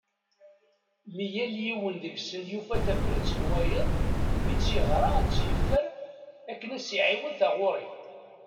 Mi yal yiwen deg-sen yufa tbarat n wayeḍ, mi tt-yeɣra a tt-yeffer, akken ad as-iɛiwed taɣuri.